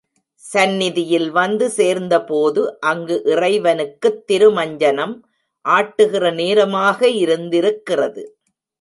சந்நிதியில் வந்து சேர்ந்தபோது அங்கு இறைவனுக்குத் திருமஞ்சனம் ஆட்டுகிற நேரமாக இருந்திருக்கிறது.